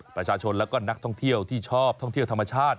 ประชาชนและก็นักท่องเที่ยวที่ชอบท่องเที่ยวธรรมชาติ